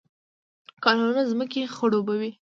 کانالونه ځمکې خړوبوي